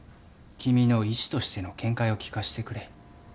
君の医師としての見解を聞かしてくれ。